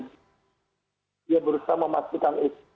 dia berusaha memastikan itu